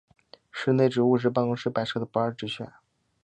室内植物是办公室摆设的不二之选。